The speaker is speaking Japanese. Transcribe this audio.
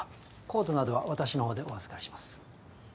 コートなどは私の方でお預かりします。